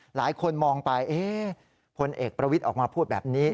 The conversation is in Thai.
หลายคนมองไปพลเอกประวิทย์ออกมาพูดแบบนี้